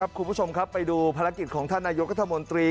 คุณผู้ชมครับไปดูภารกิจของท่านนายกรัฐมนตรี